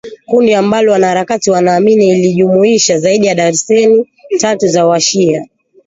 kundi ambalo wanaharakati wanaamini lilijumuisha zaidi ya darzeni tatu za washia